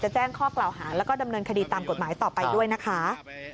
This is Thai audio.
แจ้งข้อกล่าวหาแล้วก็ดำเนินคดีตามกฎหมายต่อไปด้วยนะคะ